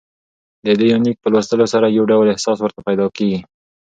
ددې یونلیک په لوستلو سره يو ډول احساس ورته پېدا کېږي